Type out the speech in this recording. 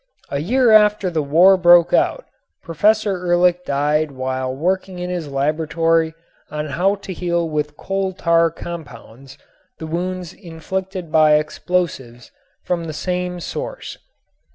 A year after the war broke out Professor Ehrlich died while working in his laboratory on how to heal with coal tar compounds the wounds inflicted by explosives from the same source.